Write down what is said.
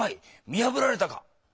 見破られたか！」。